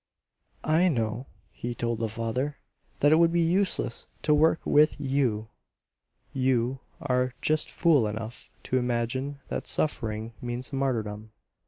"I know," he told the father, "that it would be useless to work with YOU. You are just fool enough to imagine that suffering means martyrdom.